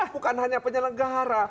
bukan hanya penyelenggara